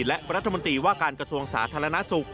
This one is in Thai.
และรัฐมนตรีว่าการกระทรวงสาธารณสุข